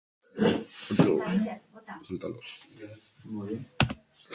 Harem bat izango banu ere, berdin joango nintzateke.